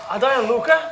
ada yang luka